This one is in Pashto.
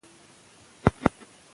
د وېښتو د ښې ودې لپاره روغتیا مهمه ده.